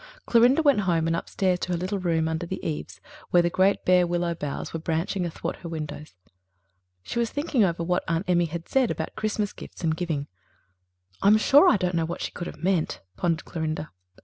Clorinda went home and upstairs to her little room under the eaves, where the great bare willow boughs were branching athwart her windows. She was thinking over what Aunt Emmy had said about Christmas gifts and giving. "I'm sure I don't know what she could have meant," pondered Clorinda.